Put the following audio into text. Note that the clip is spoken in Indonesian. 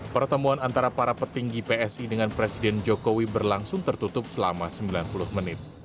pertemuan antara para petinggi psi dengan presiden jokowi berlangsung tertutup selama sembilan puluh menit